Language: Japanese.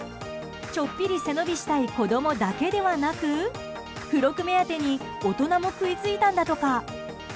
ちょっぴり背伸びしたい子供だけではなく付録目当てに大人も食いついたんだとか。